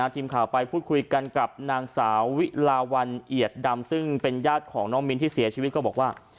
ทีมข่าวไปพูดคุยกันกับนางสาววิลาวันเอียดดำซึ่งเป็นญาติของน้องมิ้นที่เสียชีวิตก็บอกว่า